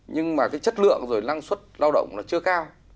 nhưng mà chất lượng và năng suất lao động chưa cao